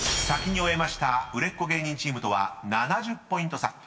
［先に終えました売れっ子芸人チームとは７０ポイント差］